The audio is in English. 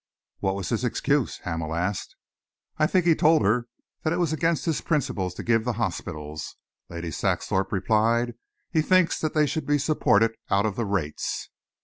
"What was his excuse?" Hamel asked. "I think he told her that it was against his principles to give to hospitals," Lady Saxthorpe replied. "He thinks that they should be supported out of the rates."